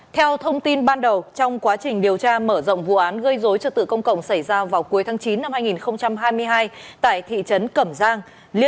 theo thông tin ban đầu trong quá trình điều tra mở rộng vụ án gây dối trật tự công cộng xảy ra vào cuối tháng chín năm hai nghìn hai mươi hai tại thị trấn cẩm giang